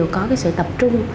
có sự tập trung